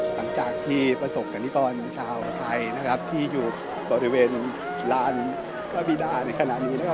หลังจากที่ประสบกรณิกรชาวไทยนะครับที่อยู่บริเวณลานพระบิดาในขณะนี้นะครับ